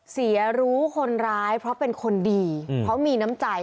เสียรู้คนร้ายเพราะเป็นคนดีเพราะมีน้ำใจ